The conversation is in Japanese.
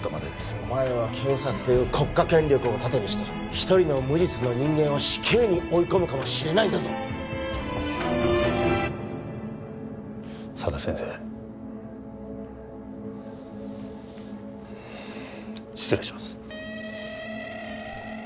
お前は検察という国家権力をたてにして一人の無実の人間を死刑に追い込むかもしれないんだぞ佐田先生失礼します